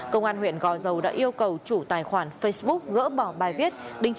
công an huyện gò dầu đã yêu cầu chủ tài khoản facebook gỡ bỏ bài viết